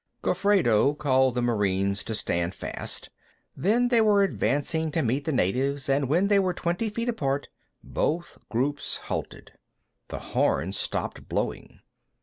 Gofredo called to the Marines to stand fast. Then they were advancing to meet the natives, and when they were twenty feet apart, both groups halted. The horn stopped blowing.